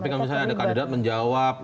tapi kalau misalnya ada kandidat menjawab